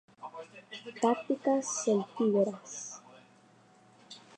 Tácticas celtíberas.